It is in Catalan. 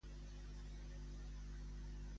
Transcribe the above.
Va fer alguna formació fora d'Espanya?